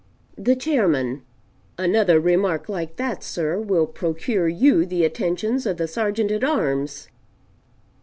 The Chairman "Another remark like that, sir, will procure you the attentions of the Sergeant at arms."